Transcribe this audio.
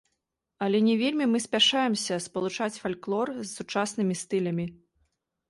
Але не вельмі мы спяшаемся спалучаць фальклор з сучаснымі стылямі.